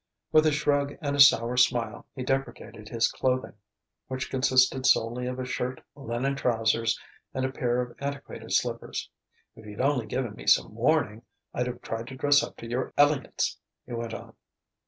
With a shrug and a sour smile he deprecated his clothing, which consisted solely of a shirt, linen trousers, and a pair of antiquated slippers. "If you'd only given me some warning, I'd've tried to dress up to your elegance," he went on.